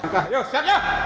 yuk siap ya